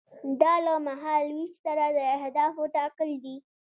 دا له مهال ویش سره د اهدافو ټاکل دي.